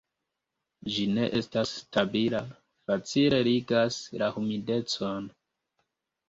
Ĝi ne estas stabila, facile ligas la humidecon.